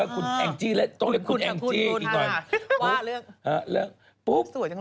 สวยจังเลย